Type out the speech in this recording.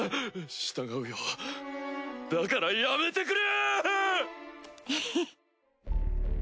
従うよだからやめてくれ！